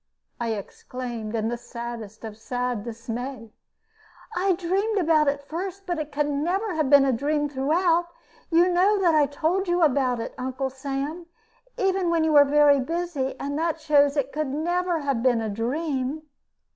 I exclaimed, in the saddest of sad dismay. "I dreamed about it first, but it never can have been a dream throughout. You know that I told you about it, Uncle Sam, even when you were very busy, and that shows that it never could have been a dream."